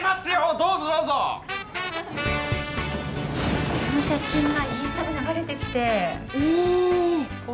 どうぞどうぞこの写真がインスタで流れてきてお！